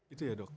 itu ya dok